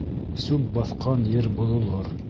Сүп баҫҡан ер боҙолор